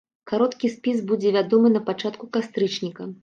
Кароткі спіс будзе вядомы напачатку кастрычніка.